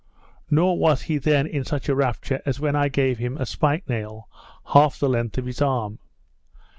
Nor was he then in such a rapture as when I gave him a spike nail half the length of his arm.